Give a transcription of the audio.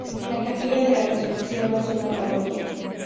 La Capilla de la Resurrección no es una parroquia.